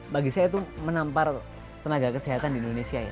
bagi saya itu menampar tenaga kesehatan di indonesia ya